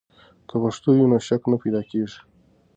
که پښتو وي، نو شک نه پیدا کیږي.